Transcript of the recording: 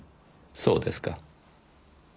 そうですか。